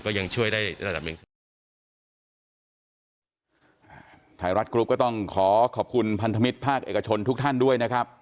ยังช่วยได้ระดับดำเนินสะดวกไทยรัฐกรุ๊ปก็ต้องขอขอบคุณพันธมิตรภาคเอกชนทุกท่านด้วยนะครับ